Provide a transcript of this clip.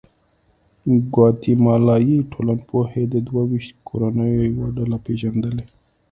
ګواتیمالایي ټولنپوهې د دوه ویشت کورنیو یوه ډله پېژندلې.